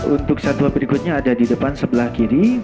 untuk satwa berikutnya ada di depan sebelah kiri